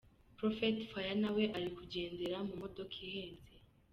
Prophet Fire nawe ari kugendera mu modoka ihenze.